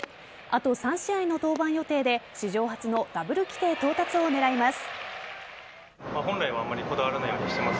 あと３試合の登板予定で史上初のダブル規定到達を狙います。